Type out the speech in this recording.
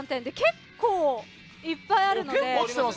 結構いっぱいあるので。